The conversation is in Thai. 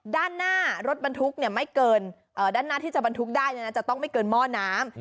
ด้านหน้ารถบรรทุกไม่เกินด้านหน้าที่จะบรรทุกได้จะต้องไม่เกินหม้อน้ำ